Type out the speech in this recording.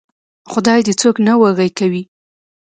خدای دې څوک نه وږي کوي.